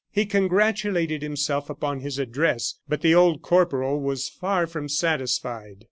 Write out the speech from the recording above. He congratulated himself upon his address, but the old corporal was far from satisfied.